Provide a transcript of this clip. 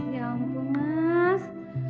ya ampun mas